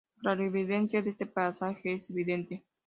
La clarividencia de este pasaje es evidente.